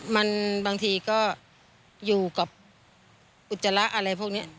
มันบางทีก็อยู่กับอุจจาระอะไรพวกนี้